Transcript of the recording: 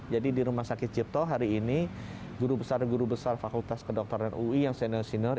jadi di rumah sakit cipto hari ini guru besar guru besar fakultas kedokteran ui yang senior senior